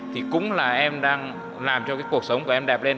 thì cũng là em đang làm cho cái cuộc sống của em đẹp lên